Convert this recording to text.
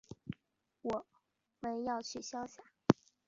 我们要去乡下